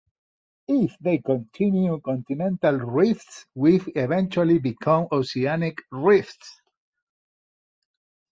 If they continue, continental rifts will eventually become oceanic rifts.